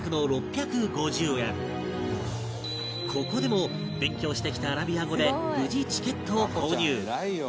ここでも勉強してきたアラビア語で無事チケットを購入